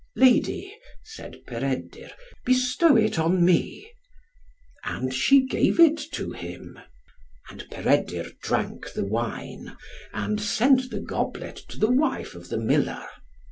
"Lady," said Peredur, "bestow it on me." And she gave it to him. And Peredur drank the wine, and sent the goblet to the wife of the miller.